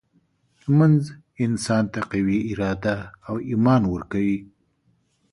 لمونځ انسان ته قوي اراده او ایمان ورکوي.